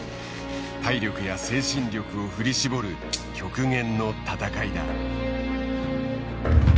体力や精神力を振り絞る極限の戦いだ。